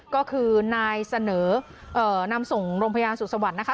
ก็คือนายเสนอนำส่งโรงพยาบาลสุสวรรค์นะคะ